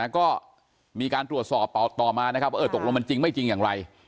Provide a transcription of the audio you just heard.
ก็มีการตรวจสอบต่อมานะครับว่าตกลงมันจริงไม่จริงอย่างไร